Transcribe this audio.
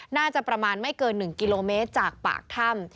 น่าจะประมาณไม่เกิน๑กิโลเมตรจากปากถ้ำ